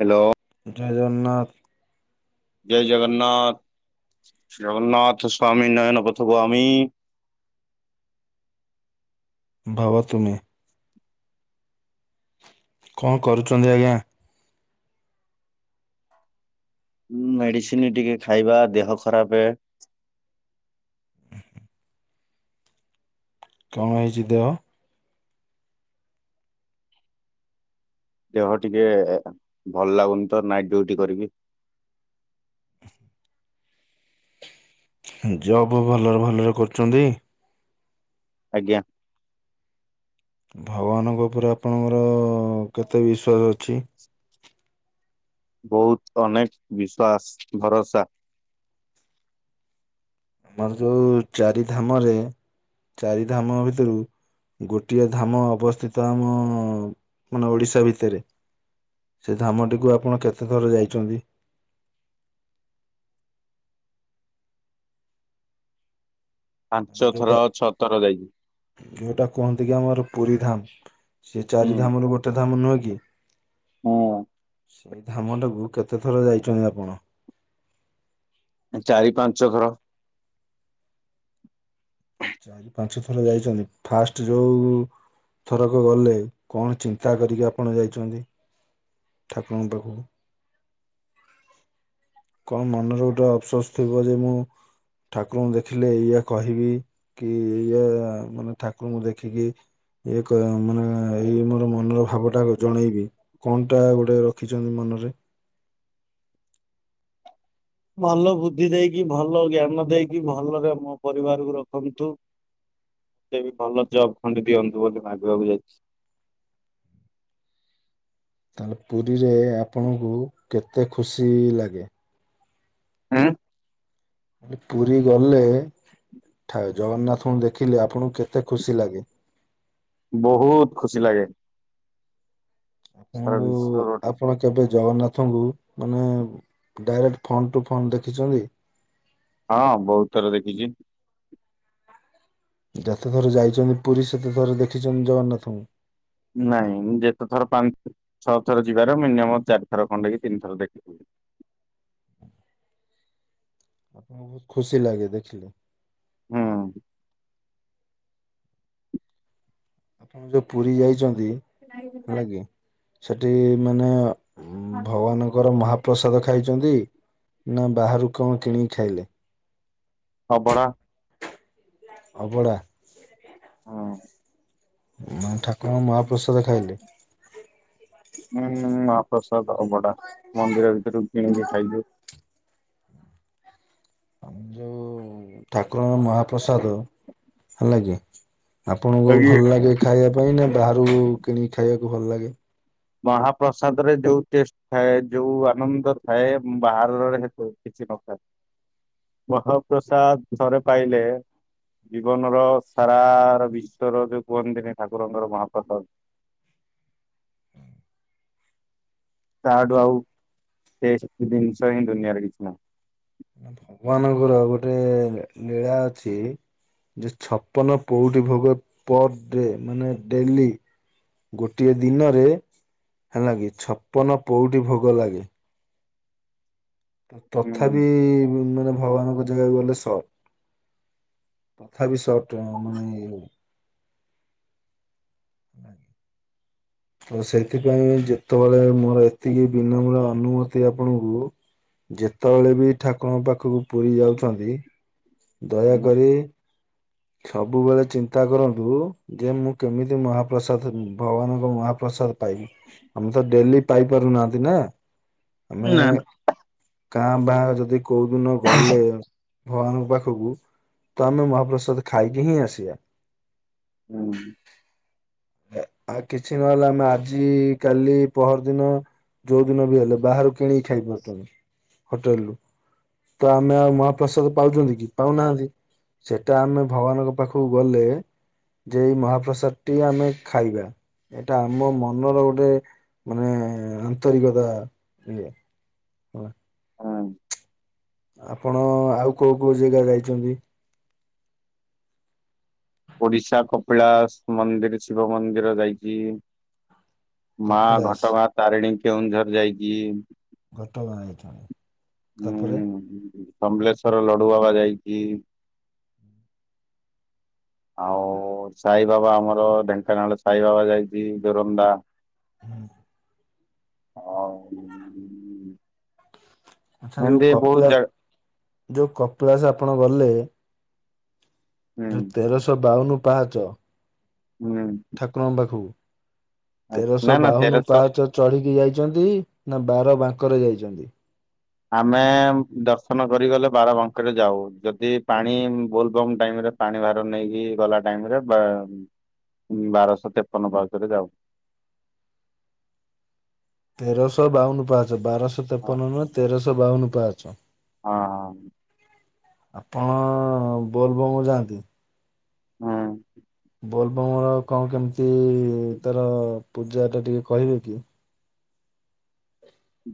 Hello. ଜୟ ଜଗନ୍ନାଥ‌। ଜୟ ଜଗନ୍ନାଥ। ଜଗନ୍ନାଥ ସ୍ଵାମୀ ନୟନ ପଥଗାମୀ। ଭଵ ତୁମେ। କଣ କରୁଛନ୍ତି ଆଜ୍ଞା? ମେଡିସିନ ଟିକେ ଖାଇବା ଦେହ ଖରାପେ‌। କ ହେଇଛି ଦେହ? ଦେହ ଟିକେ ଭଲ ଲାଗୁନିତ ନାଇଟ୍ ଡ୍ୟୁଟି କରିବି। ଜବ୍ ଭଲରେ ଭଲରେ କରୁଚନ୍ତି। ଆଜ୍ଞା। ଭଗବାନଙ୍କ ଉପରେ ଆପଣଙ୍କର କେତେ ବିସ୍ୱାସ ଅଛି? ବୋହୁତୁ, ଅନେକ, ବିଶ୍ୱାସ ଭରସା। ବନ୍ଧୁ ଚାରି ଧାମରେ। ଚାରି ଧାମ ଭିତରୁ ଗୋଟିଏ ଧାମ ଅବସ୍ଥିତ ଆମ ମାନେ ଓଡିଶା ଭିତେରେ। ସେ ଧାମଟିକୁ ଆପଣ କେତେ ଥର ଯାଇଛନ୍ତି? ପାଞ୍ଚ ଯୋଉଟା ଥରଆଉ ଛଅ ଥର ଯାଇଛି। ଯୋଉଟା କୁହନ୍ତି କି ଆମର ପୁରୀ ଧାମ୍। ସେ ଚାରି ଧାମ ରୁ ଗୋଟେ ଧାମ ନୁହେଁ କି? ହଁ। ଧାମଟାକୁ କେତେ ଥର ଯାଇଚନ୍ତି ଆପଣ? ଚାରି ପାଞ୍ଚ ଘର। ପାଞ୍ଚ ଥର ଯାଇଚନ୍ତି। ଫାଷ୍ଟେ ଯୋଉ ଥରକ ଗଲେ କଣ ଚିନ୍ତା କରିକି ଆପଣ ଯାଇଛନ୍ତି। ଠାକୁରଙ୍କ ପାଖକୁ? କ ମନରେ ଗୋଟେ ଅପସୋସ ଥିବ ଯେ ମୁଁ ଠାକୁରଙ୍କୁ ଦେଖିଲେ ଏଇଆ କହିବି। କି ଏଇଆ ମାନେ ଠାକୁରଙ୍କୁ ଦେଖିକି ଏ କରେ ମାନେ ଏଇ ମୋର ମନର ଭାବ ଟା ଜଣେଇବି। କଣଟା ଗୋଟେ ରଖିଛନ୍ତି ମନରେ? ଭଲ ବୁଦ୍ଧି ଦେଇକି, ଭଲ ଜ୍ଞାନ ଦେଇକି, ଭଲରେ ମୋ ପରିବାରକୁ ରଖନ୍ତୁ। ଏଟା ବି ଭଲ ଜବ୍ ଖଣ୍ଡେ ଦିଅନ୍ତୁ ବୋଲି ଭାବିବାକୁ ଯାଇଚି। ତାହେଲେ ପୁରୀରେ ଆପଣଙ୍କୁ କେତେ ଖୁସି ଲାଗେ? ହୁଁ? ପୁରୀ ଗଲେ। ଠା ଜଗନ୍ନାଥଙ୍କୁ ଦେଖିଲେ ଆପଣଙ୍କୁ କେତେ ଖୁସି ଲାଗେ? ବୋହୁତୁ ଖୁସି ଲାଗେ। ସାରା ଆପଣଙ୍କୁ। ବିଶ୍ୱର ଆପଣ କେବେ ଜଗନ୍ନାଥଙ୍କୁ ମାନେ ଡାଇରେକ୍ଟ ଫଣ୍ଡ ଟୁ ଫଣ୍ଡ ଦେଖିଚନ୍ତି? ହଁ ବୋହୁତୁ ଥର ଦେଖିଚି। ଯେତେଥର ଯାଇଚନ୍ତି ପୁରୀ ସେତେଥର ଦେଖିଛନ୍ତି ଜଗନ୍ନାଥଙ୍କୁ? ନାଇଁ ଯେତେ ଥର ପାଞ୍ଚ ଛଅ ଥର ଯିବାର ମିନିୟମ ଚାରିଥର ଖଣ୍ଡେକି ତିନି ଥର ଦେଖୀଚି। ଖୁସି ଲାଗେ ଦେଖିଲେ। ହୁଁ। ଆପଣ ଯୋଉ ପୁରୀ ଯାଇଚନ୍ତି ହେଲାକି ସେଠି ମାନେ ଭଗବାନଙ୍କର ମହାପ୍ରସାଦ ଖାଇଚନ୍ତି ନା ବାହାରୁ କଣ କିଣିକି ଖାଇଲେ? ଅବଡା। ଅବଡା। ହୁଁ ନା ଠାକୁରଙ୍କ ମହାପ୍ରସାଦ ଖାଇଲେ। ହୁଁ ମହାପ୍ରସାଦ ଅବଡା ମନ୍ଦିର ଭିତରୁ କିଣିକି ଖାଇଲୁ। ଯୋଉ ଠାକୁରଙ୍କ ମହାପ୍ରସାଦ ହେଲା କି ଆପଣଙ୍କୁ ଆଉ ଇଏ ଭଲ ଲାଗେ ଖାଇବା ପାଇଁ ନା ବାହାରୁ କିଣିକି ଖାଇବାକୁ ଭଲ ଲାଗେ? ମହାପ୍ରସାଦ ରେ ଯୋଉ ଟେଷ୍ଟ ଥାଏ ଯୋଉ ଆନନ୍ଦ ଥାଏ ବାହାରରେ ହେତୁ କିଛି ନଥାଏ ମହାପ୍ରସାଦ ଥରେ ପାଇଲେ ଜୀବନ ର ସାରାର ବିଶ୍ଵର ଯୋଉ କୁହନ୍ତିନି ଠାକୁରଙ୍କର ମହାପ୍ରସାଦ ତାଠୁ ଆଉ ଟେଷ୍ଟ ଜିନିଷ ହିଁ ଦୁନିଆରେ କିଛି ନାହିଁ। ଭଗବାନଙ୍କର ଆଉ ଗୋଟେ ଲୀଳା ଅଛି। ଯେ ଛପନ ପୋଉଟି ଭୋଗ ପର ଡେ ମାନେ ଡେଲି ଗୋଟିଏ ଦିନରେ ହେଲା କି ଛପନ ପୋଉଟି ଭୋଗ ଲାଗେ। ତଥାପି ହୁଁ ମାନେ ଭଗବାନଙ୍କ ଜାଗାକୁ ଗଲେ ସଟ ତଥାପି ସଟ ମାନେ [unintelligible] ତ ସେଥିପାଇଁ ଯେତେବେଳେ ମୋର ଏତିକି ବିନମ୍ର ଅନୁମତି ଆପଣଙ୍କୁ ଯେତେବେଳେ ବି ଠାକୁରଙ୍କ ପାଖକୁ ପୁରୀ ଯାଉଛନ୍ତି। ଦୟାକରି। ସବୁବେଳେ ଚିନ୍ତା କରନ୍ତୁ ଯେ ମୁଁ କେମିତି ମହାପ୍ରସାଦ ଭଗବାନଙ୍କ ମହାପ୍ରସାଦ ପାଇବି। ଆମେ ତ ଡେଲି ପାଇ ପାରୁନାହାନ୍ତି ନା। ଆମେ କା ଭାଁ ଯଦି କୋଉ ଦିନ ଗଲେ ଭଗବାନଙ୍କ ପାଖକୁ ତ ଆମେ ମହାପ୍ରସାଦ ଖାଇକି ହିଁ ଆସିବା। ହୁଁ। ଆ କିଛି ନହେଲା ଆମେ ଆଜି କାଲି ପହର ଦିନ ଯୋଉ ଦିନ ବି ହେଲେ ବାହାରୁ କିଣିକି ଖାଇପାରୁଛନ୍ତି ହୋଟେଲରୁ। ତ ଆମେ ଆଉ ମହାପ୍ରସାଦ ପାଉଛନ୍ତି କି ପାଉନାହାନ୍ତି। ସେଟା ଆମେ ଭଗବାନଙ୍କ ପାଖକୁ ଗଲେ ଯେ ଏଇ ମହାପ୍ରସାଦ ଟି ଆମେ ଖାଇବା। ଏଇଟା ଆମ ମନର ଗୋଟେ ମାନେ ଆନ୍ତରିକତା ଇଏ। ହୁଁ। ହୁଁ। ଆପଣ ଆଉ କୋଉ କୋଉ ଜାଗା ଯାଇଛନ୍ତି? ଓଡିଶା କପିଳାସ ମନ୍ଦିର ଶିବ ମନ୍ଦିର ଯାଇଛି। ମା କପିଳାସ ଘଟଗାଁ ତାରିଣୀ କେଉଁଝର ଯାଇଛି। ଘଟଗାଁ ଯାଇଛନ୍ତି। ତାପରେ ହୁଁ ସମଲେଶ୍ଵର ଲଡୁ ବାବା ଯାଇଛି। ଆଉ ସାଇବାବା ଆମର ଢେଙ୍କାନାଳ ସାଇବାବା ଯାଇଚି ଦୋରନ୍ଦା। ହୁଁ। [unintelligible] ଆଚ୍ଛା ଯୋଉ ଏମିତି ବହୁତ କପିଳା ଜାଗା ଯୋଉ କପିଳାସ ଆପଣ ଗଲେ। ହୁଁ ଯୋଉ ତେରଶହ ବାଉନ ପାହାଚ। ହୁଁ ଠାକୁରଙ୍କ ପାଖକୁ ନା ତେରଶହ ନା ବାଉନ ତେରଶହ ପାହଚ ଚଢ଼ିକି ଯାଇଚନ୍ତି ନା ବାର ବାଙ୍କରେ ଯାଇଚନ୍ତି। ଆମେ ଦର୍ଶନ କରିଗଲେ ବାରବାଙ୍କରେ ଯାଉ ଯଦି ପାଣି ବୋଲବମ୍ ଟାଇମରେ ପାଣି ଭାର ନେଇକି ଗଲା ଟାଇମ୍ ରେ ବା ବାରଶହ ତେପନ ପାଉଚରେ ଯାଉ। ତେରଶହ ବାଉନ ପାହଚ ବାରଶହ ହଁ ତେପନ ନୁହେଁ ତେରଶହ ବାଉନ ପାହଚ। ହଁ। ହଁ। ଆପଣ ବୋଲବମ୍ ଯାଆନ୍ତି? ହୁଁ। ବୋଲବମ୍ ର କଣ କେମିତି ତାର ପୂଜାଟା ଟିକେ କହିବେ କି?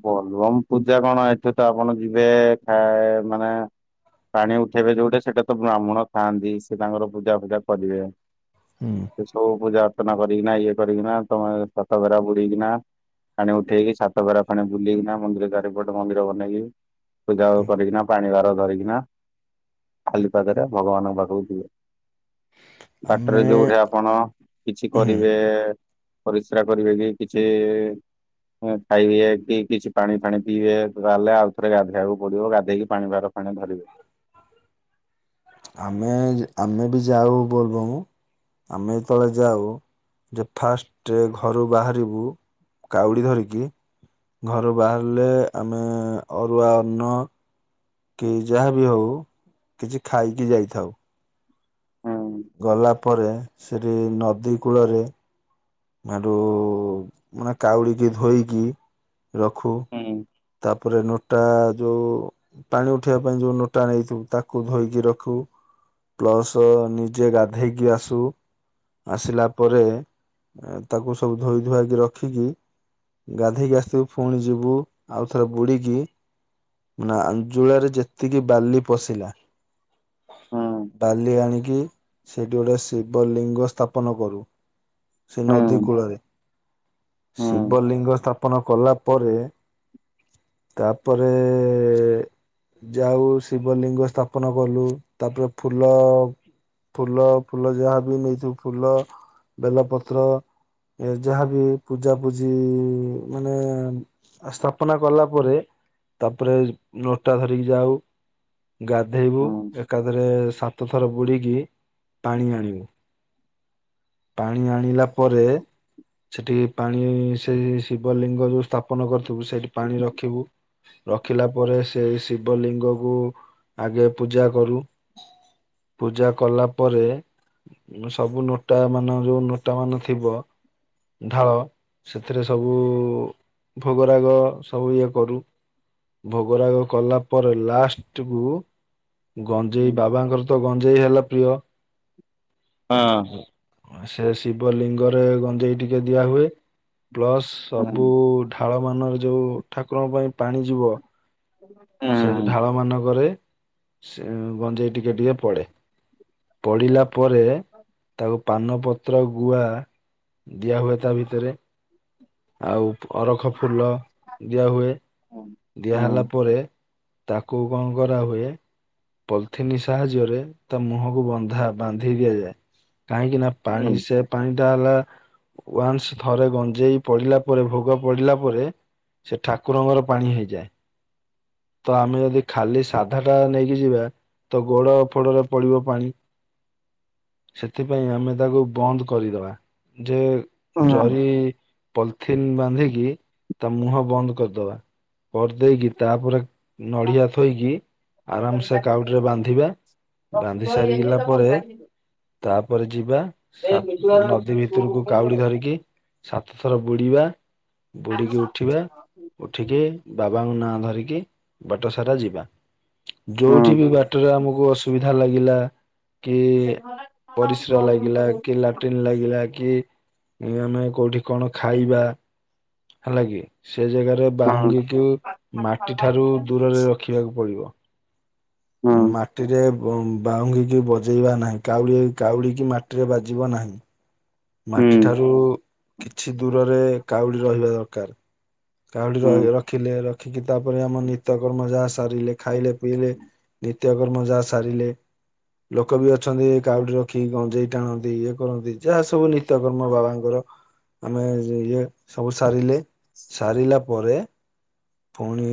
ବୋଲବମ୍ ପୂଜା କଣ ଏଠି ତ ଆପଣ ଯିବେ ଖାଏ ମାନେ ପାଣି ଉଠେଇବେ ଯୋଉଠେ ସେଠି ତ ବ୍ରାହ୍ମଣ ଥାଆନ୍ତି ସେ ତାଙ୍କର ପୂଜା ଫୂଜା କରିବେ। ହୁଁ। ସେ ସବୁ ପୂଜା ଅର୍ଚ୍ଚନା କରିକିନା ଇଏ କରିକିନା ତମେ ସାତ ଘେରା ବୁଡିକିନା ପାଣି ଉଠେଇକି ସାତ ଘେରା [unintelligible] ବୁଲିକିନା ମନ୍ଦିର ଚାରି ପଟ ମନ୍ଦିରକୁ ଅନେଇକି ପୂଜା ହୁଁ କରିକିନା ପାଣି ବାର ଧରିକିନା ଖାଲି ପାଦରେ ଭଗବାନଙ୍କ ପାଖକୁ ଯିବେ ବାଟରେ ଆମେ ଯୋଉଠି ଆ ଆପଣ କିଛି ହୁଁ କରିବେ ପରିସ୍ରା କରିବେ କି କିଛି ହୁଁ ଖାଇବି କି କିଛି ପାଣି ଫାଣି ପିଇବେ ତାହେଲେ ଆଉ ଥରେ ଗାଧେଇବାକୁ ପଡିବ ଗାଧେଇକି ପାଣି ଭାର ଫୁଣି ଧରିବେ। ଆମେ ଆମେ ବି ଯାଉ ବୋଲବମ୍ ଆମେ ଯେତେବେଳେ ଯାଉ ଯେ ଫାଷ୍ଟ ଘରୁ ବାହାରିବୁ କାଉଡ଼ି ଧରିକି ଘରୁ ବାହାରିଲେ ଆମେ ଅରୁଆ ଅନ୍ନ କି ଯାହା ବି ହଉ କିଛି ଖାଇକି ଯାଇଥାଉ। ହୁଁ ଗଲା ପରେ ସେଠି ନଦୀ କୂଳରେ ଆଡ଼ୁ ମାନେ କାଉଡ଼ିକି ଧୋଇକି ରଖୁ ହୁଁ। ତାପରେ ନୋଟା ଯୋଉ ପାଣି ଉଠେଇିବା ପାଇଁ ଯୋଉ ନୋଟା ନେଇଥିବୁ ତାକୁ ଧୋଇକି ରଖୁ। ପ୍ଲସ ନିଜେ ଗାଧେଇକି ଆସୁ। ଆସିଲା ପରେ ଏଁ ତାକୁ ସବୁ ଧୋଇ ଧୁଆକି ରଖିକି ଗାଧେଇକି ଆସିଥିବୁ ଫୁଣି ଯିବୁ। ଆଉ ଥରେ ବୁଡିକି ନା ଆଞ୍ଜୁଳାରେ ଯେତିକି ବାଲି ପଶିଲା ହୁଁ ବାଲି ଆଣିକି ସେଠି ଗୋଟେ ଶି ଶିବିଲିଙ୍ଗ ସ୍ଥାପନ କରୁ ସେ ନଦୀ କୂଳରେ ହୁଁ ଶିବଲିଙ୍ଗ ସ୍ଥାପନ କଲା ପରେ ତାପରେ ଏ ଯାଉ ଶିବଲିଙ୍ଗ ସ୍ଥାପନ କଲୁ ତାପରେ ଫୁଲ ଫୁଲ ଫୁଲ ଯାହାବି ନେଇଥିବୁ ଫୁଲ ବେଲପତ୍ର ଏ ଯାହା ବି ପୂଜାପୂଜି ମାନେ ସ୍ଥାପନା କଲା ପରେ ତାପରେ ନଅଟା ଧରିକି ଯାଉ। ଗାଧେଇବୁ ହୁଁ ଏକାଥରେ ସାତ ଥର ବୁଡିକି। ପାଣି ଆଣିବେ, ପାଣି ଆଣିଲା ପରେ ସେଠି ପାଣି ସେ ଶିବ ଲିଙ୍ଗ ଯୋଉ ସ୍ଥାପନ କରିଥିବୁ ସେଇଠି ପାଣି ରଖିବୁ। ରଖିଲା ପରେ ସେଇ ଶିବ ଲିଙ୍ଗ କୁ ଆଗେ ପୂଜା କରୁ। ପୂଜା କଲା ପରେ ସବୁ ନୋଟା ମାନ ଯୋଉ ନୋଟା ମାନ ଥିବ, ଢାଳ ସେଥିରେ ସବୁ ଭୋଗରାଗ ସବୁ ଇଏ କରୁ। ଭୋଗରାଗ କଲା ପରେ ଲାଷ୍ଟକୁୁ ଗଞ୍ଜେଇ ହୁଁ। ବାବାଙ୍କର ତ ଗଞ୍ଜେଇ ହେଲା ପ୍ରିୟ। ହଁ। ସେ ଶିବ ଲିଙ୍ଗରେ ଗଞ୍ଜେଇ ଟିକେ ଦିଆ ହୁଏ। ପ୍ଲସ୍ ହଁ ହୁଁ ସବୁ ଢାଳମାନରେ ଯଉ ଠାକୁରଙ୍କ ପାଇଁ ପାଣି ଯିବ। [unintelligible] ସେ ଢାଳ ମାନଙ୍କରେ ଗଞ୍ଜେଇ ଟିକେ ଟିକେ ପଡ଼େ ପଡ଼ିଲା ପରେ ତାକୁ ପାନପତ୍ର ଗୁଆ ଦିଆହୁଏ ତାଭିତରେ। ଆଉ ଅରଖ ଫୁଲ ଦିଆହୁଏ ହୁଁ ହୁଁ ଦିଆହେଲା ପରେ ତାକୁ କଣ କରାହୁଏ ପଲିଥିିନ ସାହାଯ୍ୟରେ ତା ମୁହଁକୁ ବନ୍ଧା ବାନ୍ଧି ଦିଆଯାଏ। କାହିଁକି ନା ପାଣି ହୁଁ। ସେ ପାଣି ଟା ଅଲଗା। ୱନ୍ସ ଥରେ ଗଞ୍ଜେଇ ପଡିଲା ପରେ ଭୋଗ ପଡିଲା ପରେ ସେ ଠାକୁରଙ୍କର ପାଣି ହେଇଯାଏ। ତ ଆମେ ଯଦି ଖାଲି ସାଧା ଟା ନେଇକି ଯିବା ତ ଗୋଡ ଫୋଡରେ ପଡିବ ପାଣି। ସେଥିପାଇଁ ଆମେ ତାକୁ ବନ୍ଦ କରିଦବା ଯେ ହୁଁ ଜରି ପଲିଥିନ୍ ବାନ୍ଧିକି ତା ମୁହଁ ବନ୍ଦ କରିଦବା କରିଦେଇକି ତାପରେ ନଡ଼ିଆ ଥୋଇକି ଆରାମସେ କାଉଟିରେ ବାନ୍ଧିବା। ବାନ୍ଧି ସାରିଲା ପରେ ତାପରେ ଯିବା ନଦୀ ଭିତରକୁ କାଉଡ଼ି ଧରିକି। ସାତଥର ବୁଡିବା ବୁଡିକି ଉଠିବା ଉଠିକି ବାବାଙ୍କ ନାଁ ଧରି ବାଟ ସାରା ଯିବା, ଯୋଉଠି ହୁଁ ବି ବାଟରେ ଆମକୁ ଅସୁବିଧା ଲାଗିଲା କି ପରିସ୍ରା ଲାଗିଲା କି ଲା ଟିନ ଲାଗିଲା କି ଆମେ କୋଉଠି କଣ ଖାଇବା ହେଲା କିି ସେ ଜାଗାରେ ବାହୁଙ୍ଗିକୁ ମାଟି ଠାରୁ ଦୂରରେ ରଖିବାକୁ ପଡିବ। ହୁଁ ହୁଁ ହଁ ମା ମାଟିରେ ବାଉଙ୍ଗିକି ବଜେଇବା ନାହିଁ କାଉଡ଼ି କାଉଡ଼ିକି ମାଟିରେ ବାଜିବ ନାହିଁ। ମାଟି ହୁଁ ଠାରୁ କିଛି ଦୂରରେ କାଉଡ଼ି ରହିବା ଦରକାର। କାଉଡି ହୁଁ ରଖିଲେ ରଖିକି ତାପରେ ଆମ ନିତ୍ୟକର୍ମ ଯାହା ସାରିଲେ ଖାଇଲେ ପିଇଲେ ନିତ୍ୟ କ୍ରମ ଯା ଜା ସାରିଲେ। ଲୋକ ବି ଅଛନ୍ତି କାଉ ଡି ରଖି ଗଞ୍ଜେଇ ଟାଣନ୍ତି ଇଏ କରନ୍ତି ଯାହା ସବୁ ନି ନିତ୍ୟ କର୍ମ ବାବାଙ୍କର ଆମେ ଇଏ ସବୁ ସାରିଲେ ସାରିଲା ପରେ ପୁଣି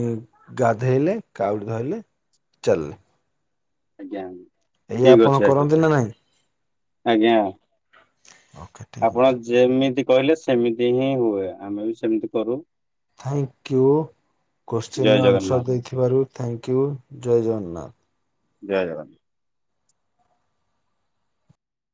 ଗାଧୋଇଲେ କାଉଡ଼ି ଧଇଲେ ଚାଲିଲେ। ଆଜ୍ଞା ଏଇଆ ଠିକ ଆପଣ ଅଛ ଆଜ୍ଞା କରନ୍ତି ନା ନାଇଁ ଆଜ୍ଞା। ଓକେ। ଠିକ ଆପଣ ଅଛି ଯେମିତି କହିଲେ ସେମିତି ହିଁ ହୁଏ ଆମେ ବି ସେମିତି କରୁ। ଥ୍ୟାଙ୍କୟୁ କୋଶ୍ଚିିନ୍ ଜୟ ଜଗନ୍ନାଥ। ଆନ୍ସର ଦେଇଥିବାରୁ ଥ୍ୟାଙ୍କ ୟୁ ଜୟ ଜଗନ୍ନାଥ୍। ଜୟ ଜଗନ୍ନାଥ୍।